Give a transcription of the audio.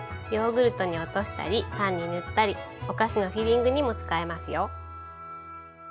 ヨーグルトに落としたりパンに塗ったりお菓子のフィリングにも使えますよ。